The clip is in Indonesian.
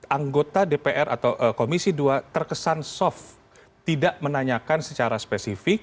anggota dpr atau komisi dua terkesan soft tidak menanyakan secara spesifik